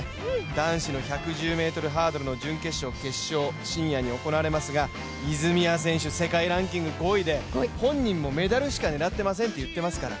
男子の１１０ｍハードルの準決勝・決勝深夜に行われますが泉谷選手、世界ランキング５位で、本人もメダルしか狙っていませんと言っていますから。